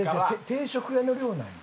定食屋の量なんよ。